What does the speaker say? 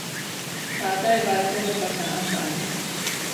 سادہ عبارتوں کو پڑھنا آسان ہے